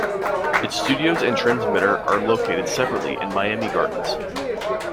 Its studios and transmitter are located separately in Miami Gardens.